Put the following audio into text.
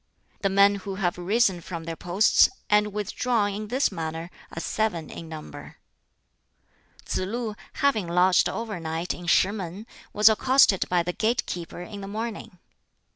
"The men who have risen from their posts and withdrawn in this manner are seven in number." Tsz lu, having lodged overnight in Shih mun, was accosted by the gate keeper in the morning.